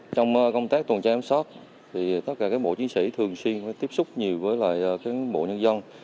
trong công tác tuần trang sát thì tất cả các bộ chiến sĩ thường xuyên phải tiếp xúc nhiều với các bộ nhân dân